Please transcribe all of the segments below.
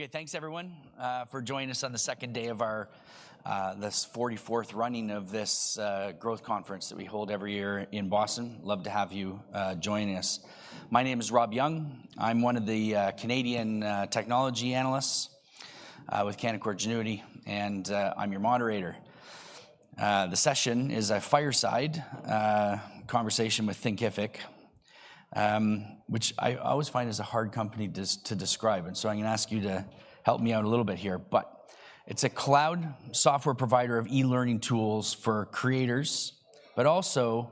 Okay, thanks everyone, for joining us on the second day of our, this 44th running of this, growth conference that we hold every year in Boston. Love to have you joining us. My name is Rob Young. I'm one of the Canadian Technology Analysts with Canaccord Genuity, and I'm your moderator. The session is a fireside conversation with Thinkific, which I always find is a hard company to describe, and so I'm gonna ask you to help me out a little bit here. But it's a cloud software provider of e-learning tools for creators, but also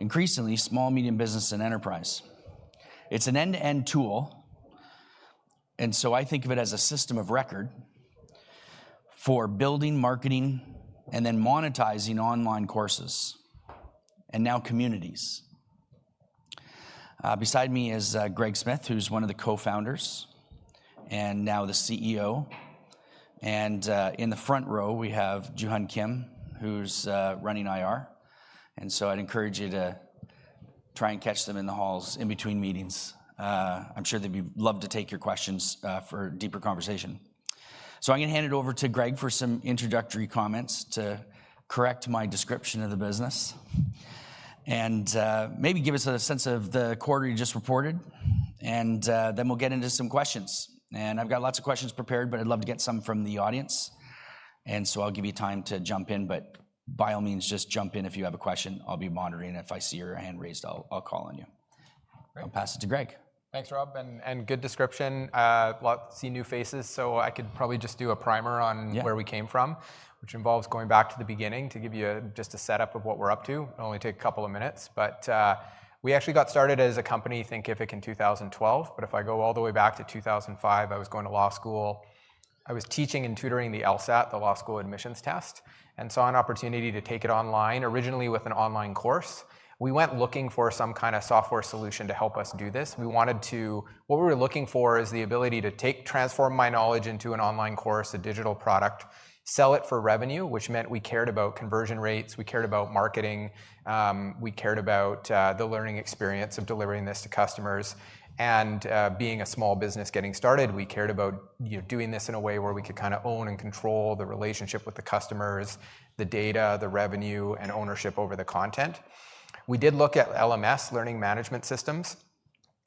increasingly, small, medium business, and enterprise. It's an end-to-end tool, and so I think of it as a system of record for building, marketing, and then monetizing online courses, and now communities. Beside me is Greg Smith, who's one of the co-founders and now the CEO, and in the front row, we have Juhun Kim, who's running IR. So I'd encourage you to try and catch them in the halls in between meetings. I'm sure they'd love to take your questions for deeper conversation. I'm gonna hand it over to Greg for some introductory comments to correct my description of the business, and maybe give us a sense of the quarter you just reported, and then we'll get into some questions. I've got lots of questions prepared, but I'd love to get some from the audience, and so I'll give you time to jump in, but by all means, just jump in if you have a question. I'll be monitoring, and if I see your hand raised, I'll, I'll call on you. I'll pass it to Greg. Thanks, Rob, and good description. Lots of new faces, so I could probably just do a primer on. Yeah Where we came from, which involves going back to the beginning to give you just a setup of what we're up to. It'll only take a couple of minutes, but we actually got started as a company, Thinkific, in 2012. But if I go all the way back to 2005, I was going to law school. I was teaching and tutoring the LSAT, the Law School Admissions Test, and saw an opportunity to take it online, originally with an online course. We went looking for some kind of software solution to help us do this. We wanted to. What we were looking for is the ability to take, transform my knowledge into an online course, a digital product, sell it for revenue, which meant we cared about conversion rates, we cared about marketing, we cared about the learning experience of delivering this to customers. Being a small business getting started, we cared about, you know, doing this in a way where we could kind of own and control the relationship with the customers, the data, the revenue, and ownership over the content. We did look at LMS, learning management systems.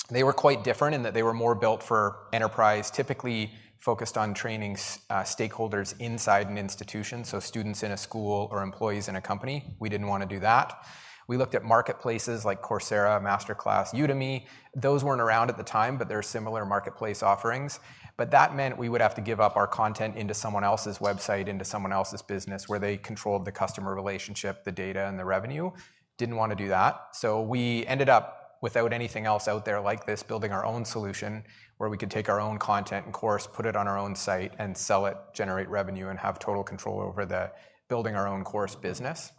They were quite different in that they were more built for enterprise, typically focused on training stakeholders inside an institution, so students in a school or employees in a company. We didn't want to do that. We looked at marketplaces like Coursera, MasterClass, Udemy. Those weren't around at the time, but they're similar marketplace offerings. But that meant we would have to give up our content into someone else's website, into someone else's business, where they controlled the customer relationship, the data, and the revenue. Didn't want to do that. We ended up, without anything else out there like this, building our own solution, where we could take our own content and course, put it on our own site and sell it, generate revenue, and have total control over the building our own course business.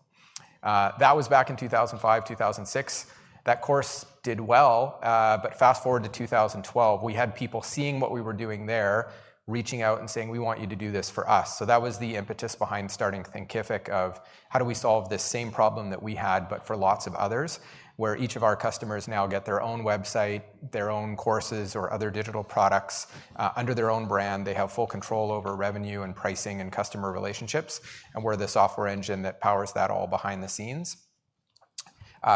That was back in 2005, 2006. That course did well, but fast-forward to 2012, we had people seeing what we were doing there, reaching out and saying: "We want you to do this for us." So that was the impetus behind starting Thinkific of, how do we solve this same problem that we had, but for lots of others, where each of our customers now get their own website, their own courses, or other digital products, under their own brand. They have full control over revenue and pricing and customer relationships, and we're the software engine that powers that all behind the scenes.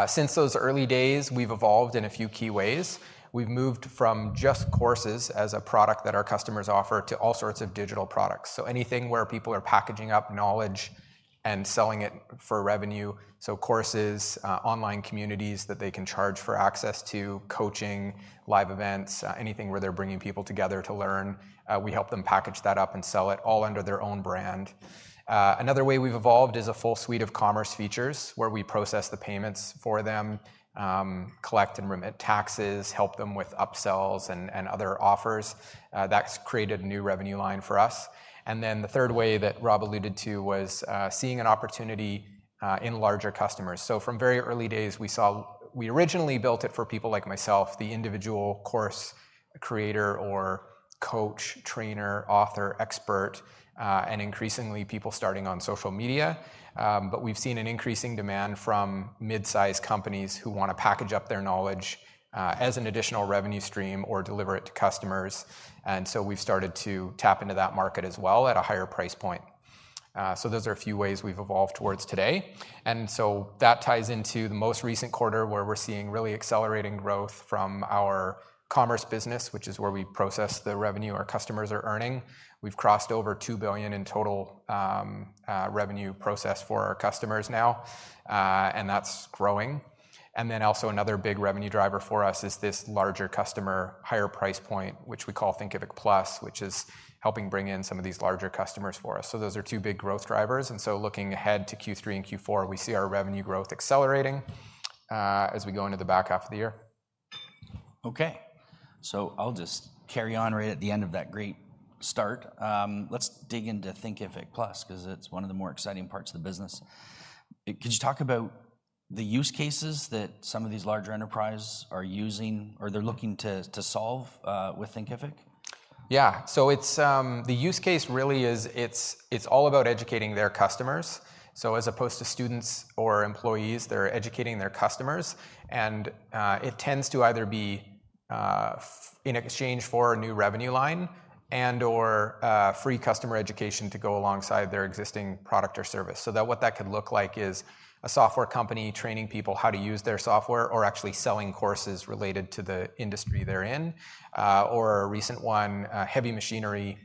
Since those early days, we've evolved in a few key ways. We've moved from just courses as a product that our customers offer to all sorts of digital products, so anything where people are packaging up knowledge and selling it for revenue, so courses, online communities that they can charge for access to, coaching, live events, anything where they're bringing people together to learn, we help them package that up and sell it all under their own brand. Another way we've evolved is a full suite of commerce features, where we process the payments for them, collect and remit taxes, help them with upsells and, and other offers. That's created a new revenue line for us. And then the third way that Rob alluded to was, seeing an opportunity in larger customers. So from very early days, we originally built it for people like myself, the individual course creator or coach, trainer, author, expert, and increasingly, people starting on social media. But we've seen an increasing demand from mid-sized companies who wanna package up their knowledge as an additional revenue stream or deliver it to customers, and so we've started to tap into that market as well at a higher price point. So those are a few ways we've evolved towards today. And so that ties into the most recent quarter, where we're seeing really accelerating growth from our commerce business, which is where we process the revenue our customers are earning. We've crossed over $2 billion in total revenue processed for our customers now, and that's growing. And then also another big revenue driver for us is this larger customer, higher price point, which we call Thinkific Plus, which is helping bring in some of these larger customers for us. So those are two big growth drivers, and so looking ahead to Q3 and Q4, we see our revenue growth accelerating, as we go into the back half of the year. Okay, so I'll just carry on right at the end of that great start. Let's dig into Thinkific Plus, 'cause it's one of the more exciting parts of the business. Could you talk about the use cases that some of these larger enterprise are using or they're looking to solve with Thinkific? Yeah. So it's the use case really is, it's all about educating their customers. So as opposed to students or employees, they're educating their customers, and it tends to either be in exchange for a new revenue line and/or free customer education to go alongside their existing product or service. So that, what that could look like is a software company training people how to use their software or actually selling courses related to the industry they're in. Or a recent one, heavy machinery,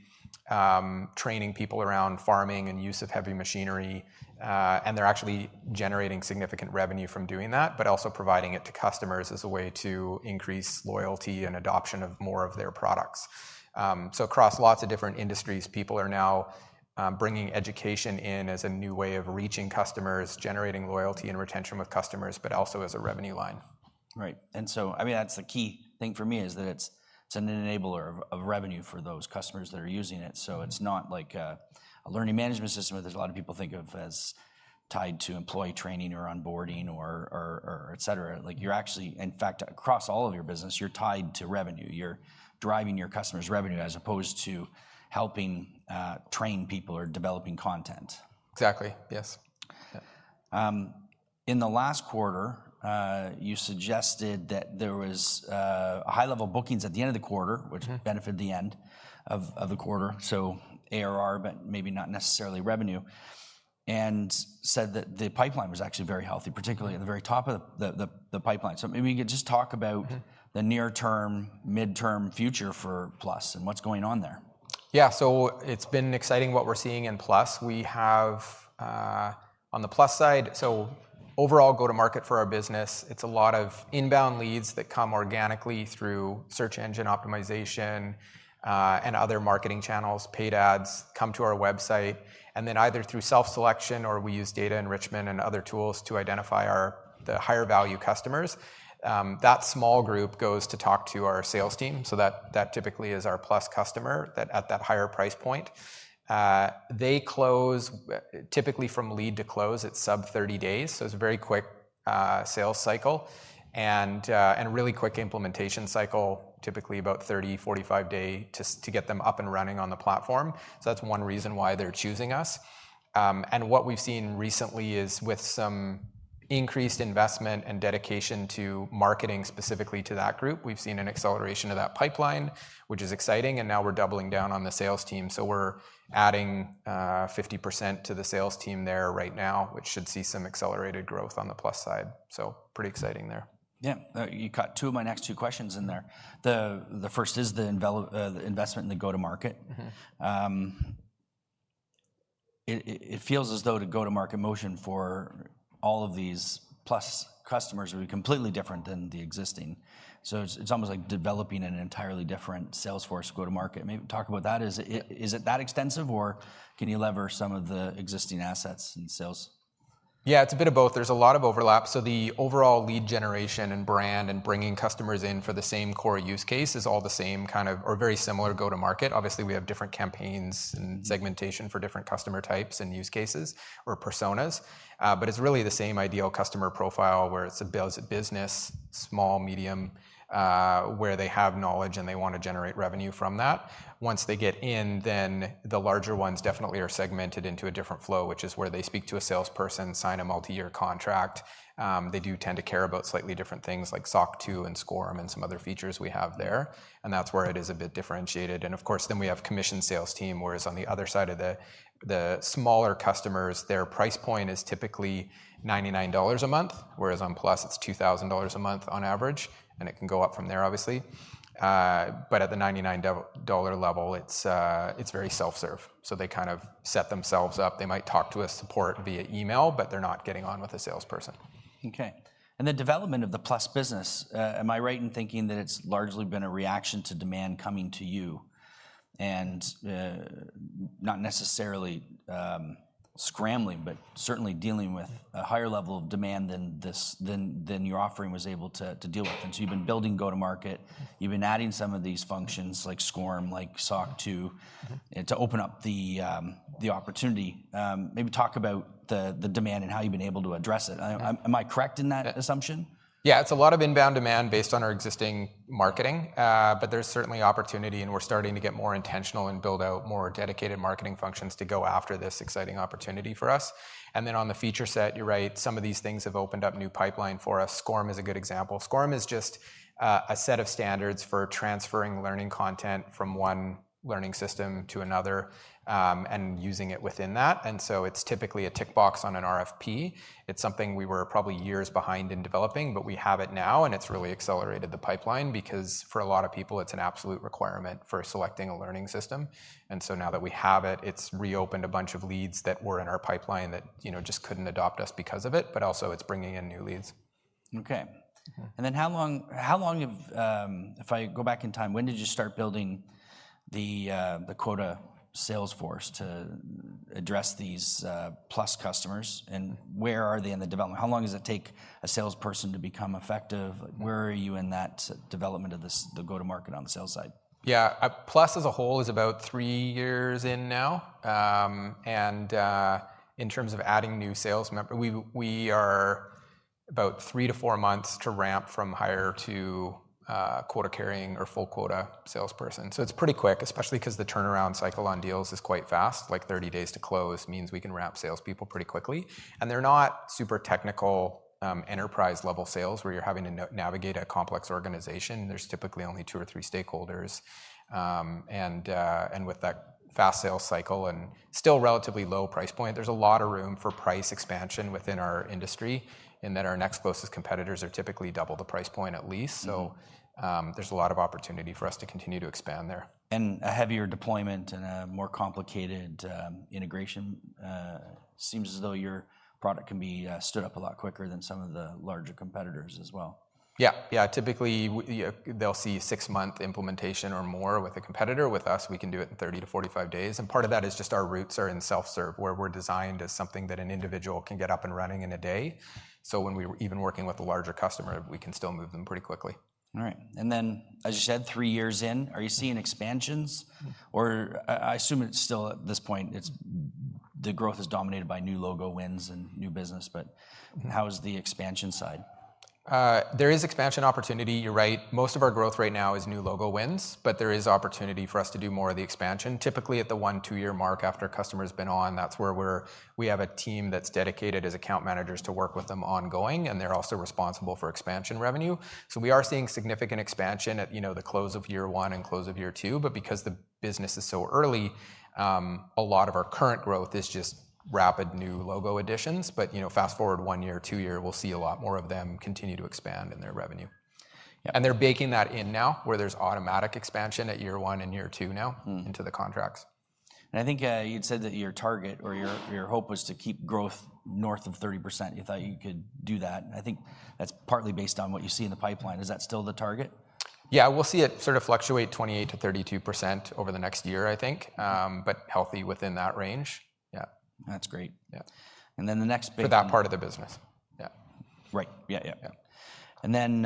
training people around farming and use of heavy machinery. And they're actually generating significant revenue from doing that, but also providing it to customers as a way to increase loyalty and adoption of more of their products. So across lots of different industries, people are now bringing education in as a new way of reaching customers, generating loyalty and retention with customers, but also as a revenue line. Right. So, I mean, that's the key thing for me, is that it's, it's an enabler of, of revenue for those customers that are using it. So it's not like a learning management system that there's a lot of people think of as tied to employee training or onboarding or et cetera. Like, you're actually... In fact, across all of your business, you're tied to revenue. You're driving your customers' revenue as opposed to helping train people or developing content. Exactly, yes. In the last quarter, you suggested that there was a high level of bookings at the end of the quarter which benefited the end of the quarter, so ARR, but maybe not necessarily revenue. And said that the pipeline was actually very healthy, particularly at the very top of the pipeline. So maybe you could just talk about the near-term, mid-term future for Plus and what's going on there. Yeah. So it's been exciting what we're seeing in Plus. We have on the Plus side, so overall, go-to-market for our business, it's a lot of inbound leads that come organically through search engine optimization and other marketing channels. Paid ads come to our website, and then either through self-selection or we use data enrichment and other tools to identify our, the higher value customers. That small group goes to talk to our sales team, so that, that typically is our Plus customer, that at that higher price point. They close, typically, from lead to close, it's sub-30 days, so it's a very quick sales cycle and a really quick implementation cycle, typically about 30-45 days to get them up and running on the platform. So that's one reason why they're choosing us. What we've seen recently is with some increased investment and dedication to marketing specifically to that group, we've seen an acceleration of that pipeline, which is exciting, and now we're doubling down on the sales team. So we're adding 50% to the sales team there right now, which should see some accelerated growth on the Plus side. So pretty exciting there. Yeah. You caught two of my next two questions in there. The first is the investment in the go-to-market. It feels as though the go-to-market motion for all of these Plus customers will be completely different than the existing. So it's almost like developing an entirely different sales force go-to-market. Maybe talk about that. Is it that extensive, or can you leverage some of the existing assets and sales? Yeah, it's a bit of both. There's a lot of overlap. So the overall lead generation and brand and bringing customers in for the same core use case is all the same kind of or very similar go-to-market. Obviously, we have different campaigns and segmentation for different customer types and use cases or personas. But it's really the same ideal customer profile, where it's a business, small, medium, where they have knowledge, and they want to generate revenue from that. Once they get in, then the larger ones definitely are segmented into a different flow, which is where they speak to a salesperson, sign a multi-year contract. They do tend to care about slightly different things like SOC 2 and SCORM and some other features we have there, and that's where it is a bit differentiated. And of course, then we have commission sales team, whereas on the other side of the smaller customers, their price point is typically $99 a month, whereas on Plus, it's $2,000 a month on average, and it can go up from there, obviously. But at the $99 level, it's, it's very self-serve. So they kind of set themselves up. They might talk to a support via email, but they're not getting on with a salesperson. Okay. And the development of the Plus business, am I right in thinking that it's largely been a reaction to demand coming to you, and, not necessarily, scrambling, but certainly dealing with a higher level of demand than this, than your offering was able to, to deal with? And so you've been building go-to-market, you've been adding some of these functions, like SCORM, like SOC 2 to open up the opportunity. Maybe talk about the demand and how you've been able to address it. Yeah. Am I correct in that assumption? Yeah, it's a lot of inbound demand based on our existing marketing, but there's certainly opportunity, and we're starting to get more intentional and build out more dedicated marketing functions to go after this exciting opportunity for us. And then, on the feature set, you're right, some of these things have opened up new pipeline for us. SCORM is a good example. SCORM is just a set of standards for transferring learning content from one learning system to another, and using it within that, and so it's typically a tick box on an RFP. It's something we were probably years behind in developing, but we have it now, and it's really accelerated the pipeline because for a lot of people, it's an absolute requirement for selecting a learning system. So now that we have it, it's reopened a bunch of leads that were in our pipeline that, you know, just couldn't adopt us because of it, but also it's bringing in new leads. Okay. And then, how long have, If I go back in time, when did you start building the quota sales force to address these Plus customers, and where are they in the development? How long does it take a salesperson to become effective? Where are you in that development of this, the go-to-market on the sales side? Yeah, Plus, as a whole, is about three years in now. And in terms of adding new sales member, we are about three to four months to ramp from hire to quota-carrying or full quota salesperson. So it's pretty quick, especially 'cause the turnaround cycle on deals is quite fast, like 30 days to close means we can ramp salespeople pretty quickly. And they're not super technical, enterprise-level sales, where you're having to navigate a complex organization. There's typically only two or three stakeholders, and with that fast sales cycle and still relatively low price point, there's a lot of room for price expansion within our industry, in that our next closest competitors are typically double the price point at least. So, there's a lot of opportunity for us to continue to expand there. A heavier deployment and a more complicated integration seems as though your product can be stood up a lot quicker than some of the larger competitors as well. Yeah, yeah, typically they'll see 6-month implementation or more with a competitor. With us, we can do it in 30 to 45 days, and part of that is just our roots are in self-serve, where we're designed as something that an individual can get up and running in a day. So when we were even working with a larger customer, we can still move them pretty quickly. All right. And then, as you said, three years in, are you seeing expansions? Or I, I assume it's still at this point, it's the growth is dominated by new logo wins and new business. But how is the expansion side? There is expansion opportunity. You're right, most of our growth right now is new logo wins, but there is opportunity for us to do more of the expansion. Typically, at the one, two-year mark after a customer's been on, that's where we have a team that's dedicated as account managers to work with them ongoing, and they're also responsible for expansion revenue. So we are seeing significant expansion at, you know, the close of year one and close of year two, but because the business is so early, a lot of our current growth is just rapid new logo additions. But, you know, fast-forward one year, two year, we'll see a lot more of them continue to expand in their revenue. They're baking that in now, where there's automatic expansion at year one and year two now into the contracts. I think, you'd said that your target or your, your hope was to keep growth north of 30%. You thought you could do that, and I think that's partly based on what you see in the pipeline. Is that still the target? Yeah, we'll see it sort of fluctuate 28%-32% over the next year, I think, but healthy within that range. Yeah. That's great. Yeah. And then the next big- For that part of the business. Yeah. Right. Yeah, yeah. Yeah. And then,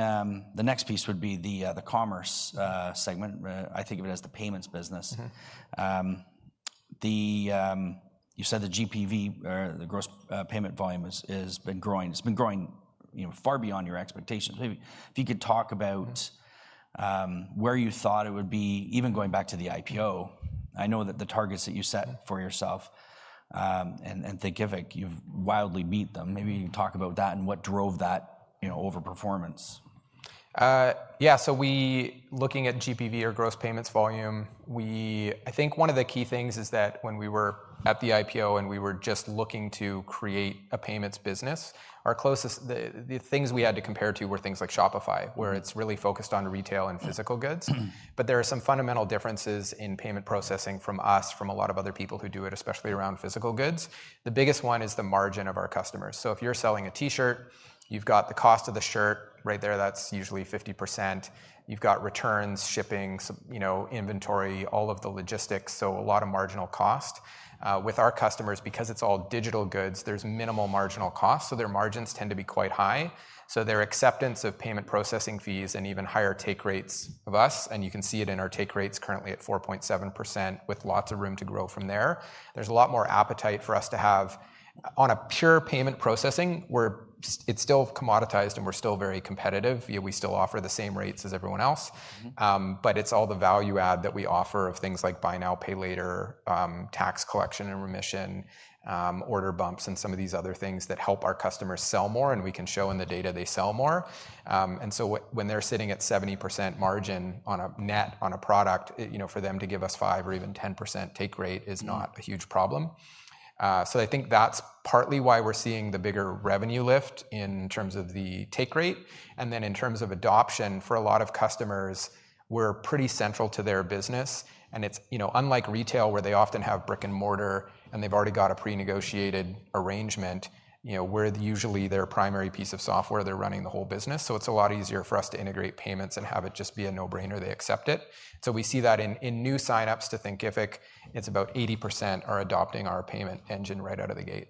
the next piece would be the commerce segment. I think of it as the payments business. You said the GPV or the gross payment volume has been growing. It's been growing, you know, far beyond your expectations. Maybe if you could talk about where you thought it would be, even going back to the IPO. I know that the targets that you set for yourself and Thinkific, you've wildly beat them. Maybe you can talk about that and what drove that, you know, overperformance. Yeah, so we, looking at GPV or gross payments volume, I think one of the key things is that when we were at the IPO, and we were just looking to create a payments business, our closest things we had to compare to were things like Shopify, where it's really focused on retail and physical goods. But there are some fundamental differences in payment processing from us, from a lot of other people who do it, especially around physical goods. The biggest one is the margin of our customers. So if you're selling a T-shirt, you've got the cost of the shirt right there, that's usually 50%. You've got returns, shipping, some, you know, inventory, all of the logistics, so a lot of marginal cost. With our customers, because it's all digital goods, there's minimal marginal cost, so their margins tend to be quite high. So their acceptance of payment processing fees and even higher take rates of us, and you can see it in our take rates currently at 4.7%, with lots of room to grow from there. There's a lot more appetite for us to have. On a pure payment processing, it's still commoditized, and we're still very competitive. Yeah, we still offer the same rates as everyone else. But it's all the value add that we offer of things like buy now, pay later, tax collection and remission, order bumps, and some of these other things that help our customers sell more, and we can show in the data they sell more. And so when they're sitting at 70% margin on a net, on a product, it, you know, for them to give us 5% or even 10% take rate is not a huge problem. So I think that's partly why we're seeing the bigger revenue lift in terms of the take rate. Then in terms of adoption, for a lot of customers, we're pretty central to their business, and it's, you know, unlike retail, where they often have brick-and-mortar, and they've already got a pre-negotiated arrangement, you know, we're usually their primary piece of software. They're running the whole business, so it's a lot easier for us to integrate payments and have it just be a no-brainer, they accept it. We see that in new signups to Thinkific, it's about 80% are adopting our payment engine right out of the gate.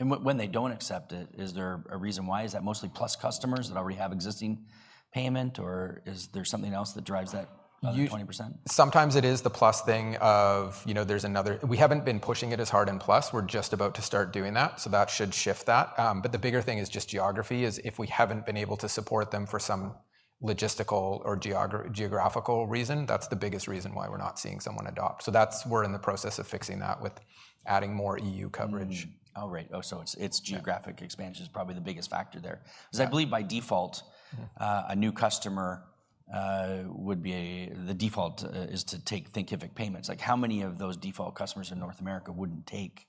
When they don't accept it, is there a reason why? Is that mostly Plus customers that already have existing payment, or is there something else that drives that other 20%? Sometimes it is the Plus thing of, you know, there's another... We haven't been pushing it as hard in Plus. We're just about to start doing that, so that should shift that. But the bigger thing is just geography, if we haven't been able to support them for some logistical or geographical reason, that's the biggest reason why we're not seeing someone adopt. So that's, we're in the process of fixing that, with adding more EU coverage. All right. Oh, so it's geographic expansion is probably the biggest factor there. Yeah. Cause I believe, by default a new customer would be, the default is to take Thinkific Payments. Like, how many of those default customers in North America wouldn't take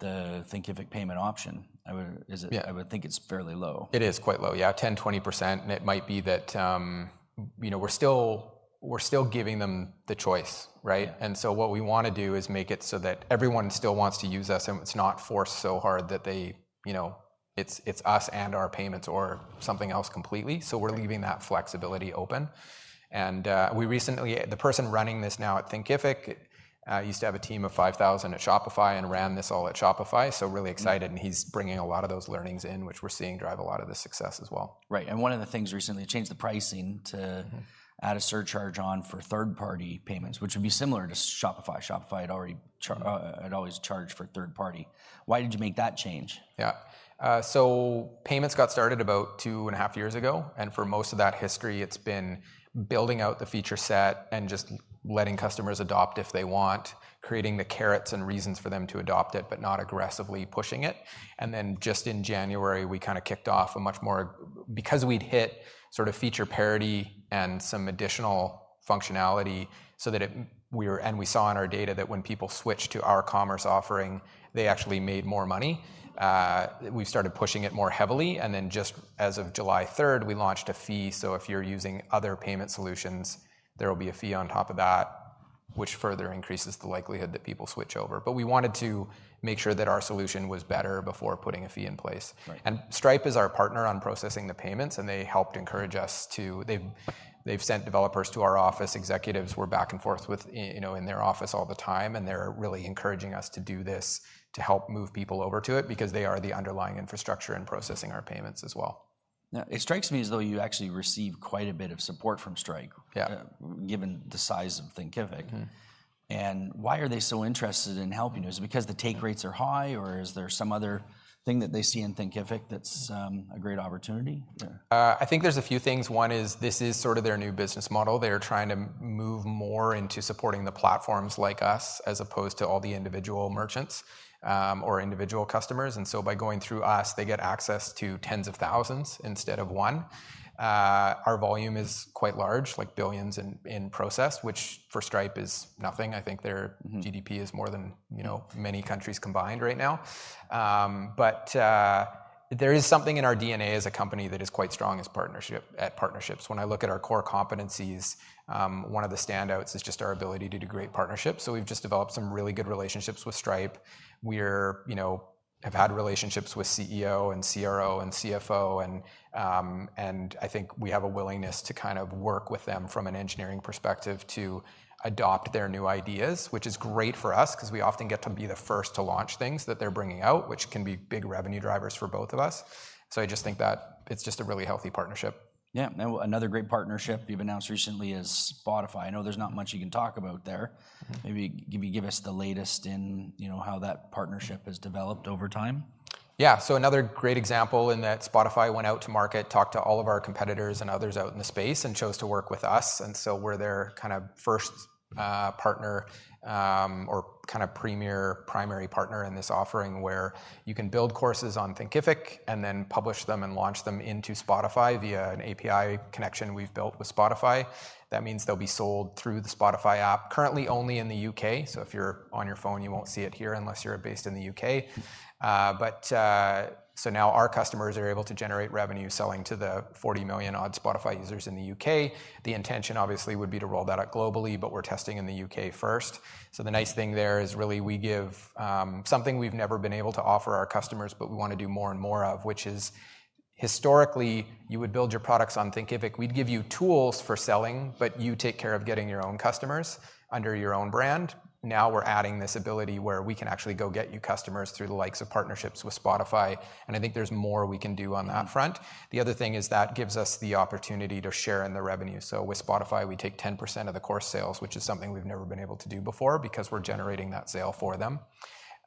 the Thinkific payment option? I would, is it- Yeah. I would think it's fairly low. It is quite low, yeah, 10%-20%, and it might be that, you know, we're still, we're still giving them the choice, right? And so what we wanna do is make it so that everyone still wants to use us, and it's not forced so hard that they, you know, it's us and our payments or something else completely. So we're leaving that flexibility open. And, the person running this now at Thinkific used to have a team of 5,000 at Shopify and ran this all at Shopify. So really excited, and he's bringing a lot of those learnings in, which we're seeing drive a lot of the success as well. Right. And one of the things recently, you changed the pricing to add a surcharge on for third-party payments, which would be similar to Shopify. Shopify had already, had always charged for third-party. Why did you make that change? Yeah. So payments got started about 2.5 years ago, and for most of that history, it's been building out the feature set and just letting customers adopt if they want, creating the carrots and reasons for them to adopt it, but not aggressively pushing it. And then just in January, we kind of kicked off a much more. Because we'd hit sort of feature parity and some additional functionality so that we were and we saw in our data that when people switched to our commerce offering, they actually made more money, we started pushing it more heavily. And then just as of July 3rd, we launched a fee. So if you're using other payment solutions, there will be a fee on top of that, which further increases the likelihood that people switch over. But we wanted to make sure that our solution was better before putting a fee in place. Right. Stripe is our partner on processing the payments, and they helped encourage us to... They've sent developers to our office, executives we're back and forth with, you know, in their office all the time, and they're really encouraging us to do this to help move people over to it because they are the underlying infrastructure and processing our payments as well. Now, it strikes me as though you actually receive quite a bit of support from Stripe- Yeah Given the size of Thinkific. Why are they so interested in helping you? Is it because the take rates are high, or is there some other thing that they see in Thinkific that's a great opportunity? I think there's a few things. One is this is sort of their new business model. They're trying to move more into supporting the platforms like us, as opposed to all the individual merchants, or individual customers. And so by going through us, they get access to tens of thousands instead of one. Our volume is quite large, like $ billions in process, which for Stripe is nothing. I think their GDP is more than, you know, many countries combined right now. But, there is something in our DNA as a company that is quite strong as partnership, at partnerships. When I look at our core competencies, one of the standouts is just our ability to do great partnerships, so we've just developed some really good relationships with Stripe. You know, have had relationships with CEO and CRO and CFO, and, and I think we have a willingness to kind of work with them from an engineering perspective to adopt their new ideas, which is great for us because we often get to be the first to launch things that they're bringing out, which can be big revenue drivers for both of us. So I just think that it's just a really healthy partnership. Yeah. Now, another great partnership you've announced recently is Spotify. I know there's not much you can talk about there. Maybe can you give us the latest in, you know, how that partnership has developed over time? Yeah. So another great example in that Spotify went out to market, talked to all of our competitors and others out in the space, and chose to work with us, and so we're their kind of first, partner, or kind of premier primary partner in this offering, where you can build courses on Thinkific and then publish them and launch them into Spotify via an API connection we've built with Spotify. That means they'll be sold through the Spotify app, currently only in the U.K. So if you're on your phone, you won't see it here unless you're based in the U.K. But, so now our customers are able to generate revenue selling to the 40 million odd Spotify users in the U.K. The intention, obviously, would be to roll that out globally, but we're testing in the U.K. first. So the nice thing there is really we give something we've never been able to offer our customers, but we want to do more and more of, which is, historically, you would build your products on Thinkific. We'd give you tools for selling, but you take care of getting your own customers under your own brand. Now, we're adding this ability where we can actually go get you customers through the likes of partnerships with Spotify, and I think there's more we can do on that front. The other thing is that gives us the opportunity to share in the revenue. So with Spotify, we take 10% of the course sales, which is something we've never been able to do before, because we're generating that sale for them.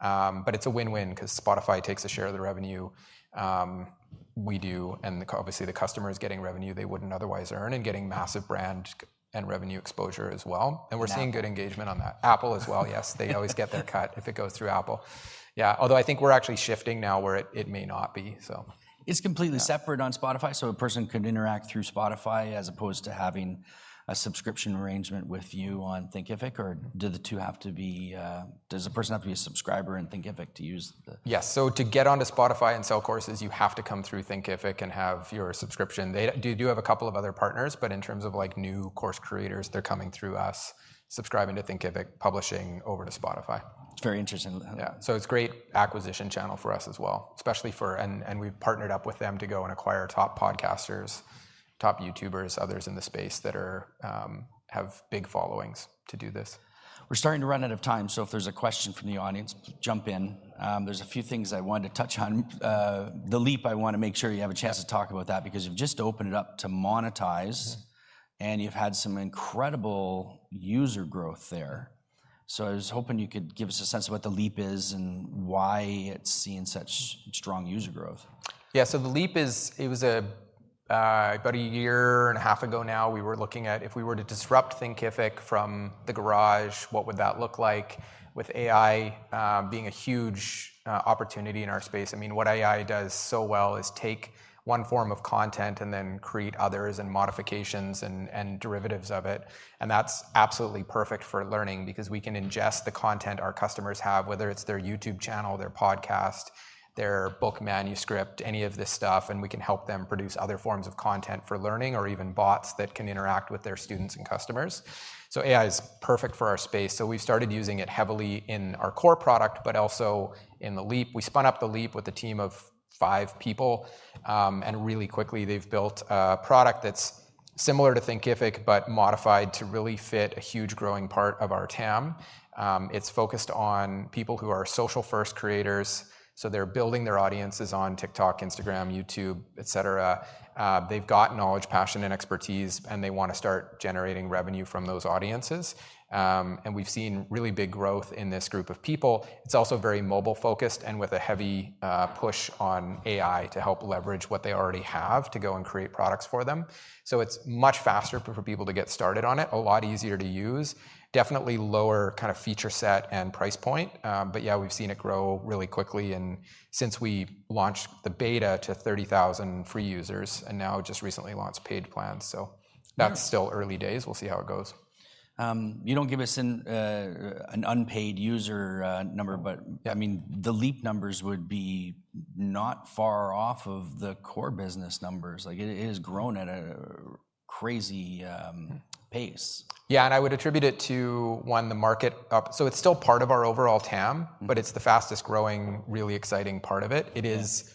But it's a win-win because Spotify takes a share of the revenue, we do, and obviously, the customer is getting revenue they wouldn't otherwise earn and getting massive brand and revenue exposure as well. Apple. We're seeing good engagement on that. Apple as well, yes. They always get their cut if it goes through Apple. Yeah. Although I think we're actually shifting now, where it may not be, so. It's completely Separate on Spotify, so a person could interact through Spotify as opposed to having a subscription arrangement with you on Thinkific, or do the two have to be. Does the person have to be a subscriber in Thinkific to use the. Yes. So to get onto Spotify and sell courses, you have to come through Thinkific and have your subscription. They do have a couple of other partners, but in terms of, like, new course creators, they're coming through us, subscribing to Thinkific, publishing over to Spotify. It's very interesting. Yeah. So it's great acquisition channel for us as well, especially for... And we've partnered up with them to go and acquire top podcasters, top YouTubers, others in the space that are, have big followings to do this. We're starting to run out of time, so if there's a question from the audience, jump in. There's a few things I wanted to touch on. The Leap, I want to make sure you have a chance to talk about that because you've just opened it up to monetize and you've had some incredible user growth there. So I was hoping you could give us a sense of what The Leap is and why it's seeing such strong user growth? Yeah. So The Leap is. It was, about a year and a half ago now, we were looking at if we were to disrupt Thinkific from the garage, what would that look like with AI, being a huge, opportunity in our space? I mean, what AI does so well is take one form of content and then create others and modifications and, and derivatives of it, and that's absolutely perfect for learning because we can ingest the content our customers have, whether it's their YouTube channel, their podcast, their book manuscript, any of this stuff, and we can help them produce other forms of content for learning or even bots that can interact with their students and customers. So AI is perfect for our space, so we've started using it heavily in our core product but also in The Leap. We spun up The Leap with a team of five people, and really quickly, they've built a product that's similar to Thinkific, but modified to really fit a huge growing part of our TAM. It's focused on people who are social-first creators, so they're building their audiences on TikTok, Instagram, YouTube, et cetera. They've got knowledge, passion, and expertise, and they wanna start generating revenue from those audiences. And we've seen really big growth in this group of people. It's also very mobile-focused and with a heavy push on AI to help leverage what they already have to go and create products for them. So it's much faster for people to get started on it, a lot easier to use, definitely lower kind of feature set and price point. But yeah, we've seen it grow really quickly, and since we launched the beta to 30,000 free users, and now just recently launched paid plans. So. Nice. That's still early days. We'll see how it goes. You don't give us an unpaid user number, bu I mean, The Leap numbers would be not far off of the core business numbers. Like, it has grown at a crazy pace. Yeah, and I would attribute it to, one, the market up... So it's still part of our overall TAM but it's the fastest growing, really exciting part of it. It is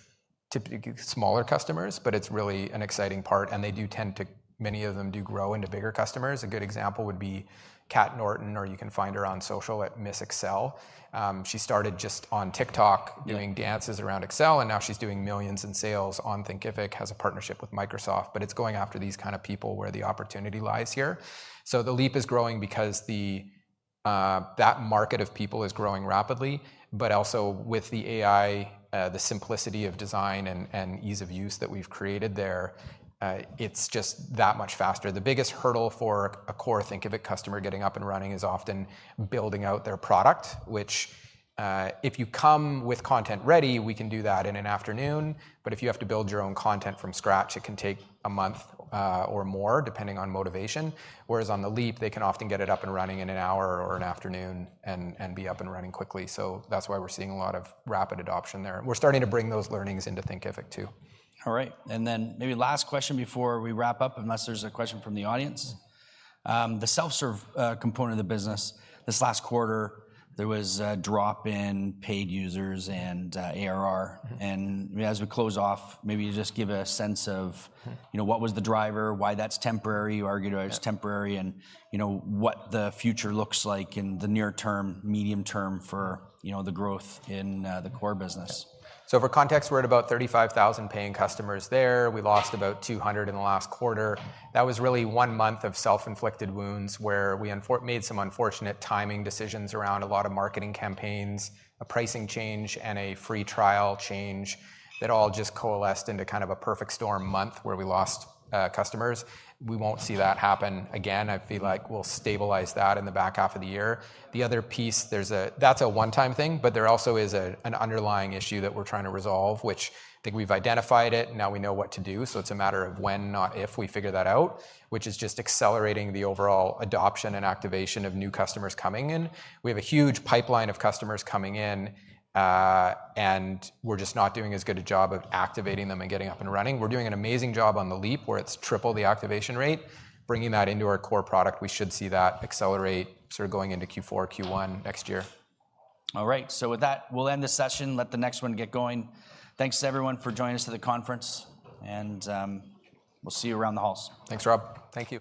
typically smaller customers, but it's really an exciting part, and they do tend to many of them do grow into bigger customers. A good example would be Kat Norton, or you can find her on social, @missexcel. She started just on TikTok doing dances around Excel, and now she's doing $millions in sales on Thinkific, has a partnership with Microsoft. But it's going after these kind of people where the opportunity lies here. So The Leap is growing because the, that market of people is growing rapidly, but also with the AI, the simplicity of design, and ease of use that we've created there, it's just that much faster. The biggest hurdle for a core Thinkific customer getting up and running is often building out their product, which, if you come with content ready, we can do that in an afternoon, but if you have to build your own content from scratch, it can take a month, or more, depending on motivation. Whereas on the Leap, they can often get it up and running in an hour or an afternoon and be up and running quickly. So that's why we're seeing a lot of rapid adoption there. We're starting to bring those learnings into Thinkific, too. All right, and then maybe last question before we wrap up, unless there's a question from the audience. The self-serve component of the business, this last quarter, there was a drop in paid users and ARR. As we close off, maybe you just give a sense of you know, what was the driver? Why that's temporary, you argued why it's temporary and you know, what the future looks like in the near term, medium term for, you know, the growth in, the core business. For context, we're at about 35,000 paying customers there. We lost about 200 in the last quarter. That was really one month of self-inflicted wounds, where we made some unfortunate timing decisions around a lot of marketing campaigns, a pricing change, and a free trial change that all just coalesced into kind of a perfect storm month, where we lost customers. We won't see that happen again. I feel like we'll stabilize that in the back half of the year. The other piece, there's a. That's a one-time thing, but there also is a, an underlying issue that we're trying to resolve, which I think we've identified it, now we know what to do, so it's a matter of when, not if, we figure that out, which is just accelerating the overall adoption and activation of new customers coming in. We have a huge pipeline of customers coming in, and we're just not doing as good a job of activating them and getting up and running. We're doing an amazing job on The Leap, where it's triple the activation rate. Bringing that into our core product, we should see that accelerate sort of going into Q4, Q1 next year. All right. So with that, we'll end this session, let the next one get going. Thanks, everyone, for joining us to the conference, and we'll see you around the halls. Thanks, Rob. Thank you.